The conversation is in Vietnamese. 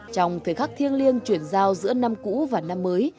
trong thời khắc thiêng liêng chuyển giao giữa năm cũ và năm mới